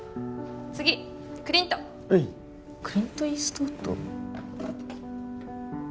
次クリントはいクリント・イーストウッド？